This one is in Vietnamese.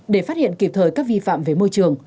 để phát hiện kịp thời các vi phạm về môi trường